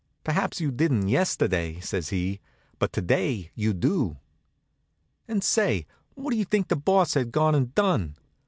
"Perhaps you didn't yesterday," says he, "but to day you do." And say, what do you think the Boss had gone and done?